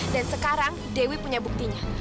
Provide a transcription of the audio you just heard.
sekarang dewi punya buktinya